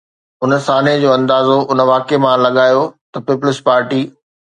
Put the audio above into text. ان سانحي جو اندازو ان واقعي مان لڳايو ته پيپلز پارٽي